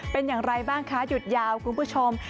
เป็นอย่างไรบ้างคะหยุดยาวคุณผู้ชม